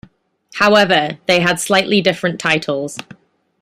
However, they had slightly different titles.